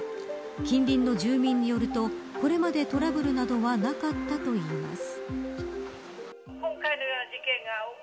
近隣の住民によるとこれまでトラブルなどはなかったといいます。